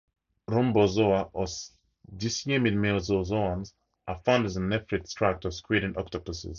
Rhombozoa, or dicyemid mesozoans, are found in the nephrid tracts of squid and octopuses.